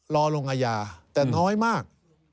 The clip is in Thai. รอลงอาญาแต่น้อยมาก